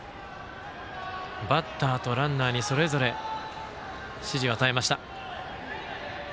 バッターとランナーにそれぞれ指示を与えました。